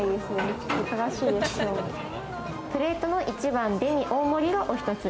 プレートの１番デミ大盛りがお１つ。